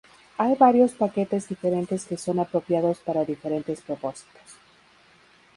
Hay varios paquetes diferentes que son apropiados para diferentes propósitos.